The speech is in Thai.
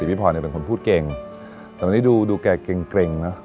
พี่พรเป็นคนพูดเก่งแต่วันนี้ดูแกเกร็งเนอะ